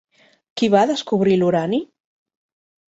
Qui va descobrir l'urani?